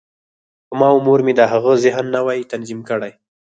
که ما او مور یې د هغه ذهن نه وای تنظیم کړی